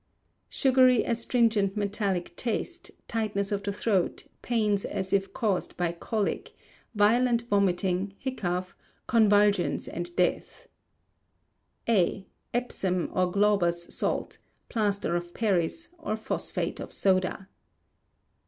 Sugary astringent metallic taste, tightness of the throat, pains as if caused by colic, violent vomiting, hiccough, convulsions, and death. A. Epsom or Glauber's salt; plaster of Paris; or phosphate of soda.